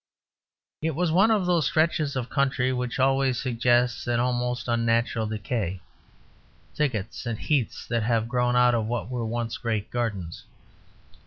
It was one of those stretches of country which always suggests an almost unnatural decay; thickets and heaths that have grown out of what were once great gardens.